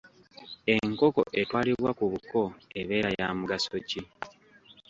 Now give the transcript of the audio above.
Enkoko etwalibwa ku buko ebeera ya mugaso ki?